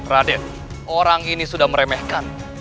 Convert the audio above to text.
raden orang ini sudah meremehkan